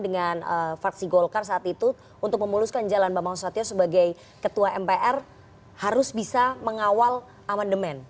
dengan faksi golkar saat itu untuk memuluskan jalan bama susatyo sebagai ketua mpr harus bisa mengawal aman demen